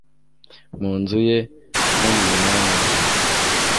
mu nzu ye, no mu munani we